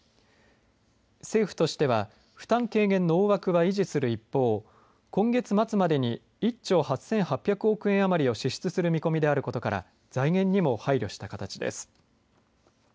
政府としては負担軽減の大枠は維持する一方今月末までに１兆８８００億円余りを支出する見込みであることから財源にも配慮した形です。